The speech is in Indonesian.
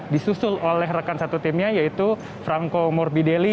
disusul oleh rekan satu timnya yaitu franco morbideli